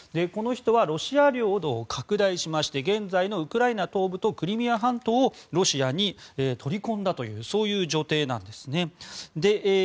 この人はロシア領土を拡大しまして現在のウクライナ東部とクリミア半島をロシアに取り込んだというそういう女帝なんですね。